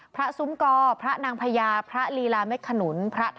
พระสุมกรพระนางพยาพระกระ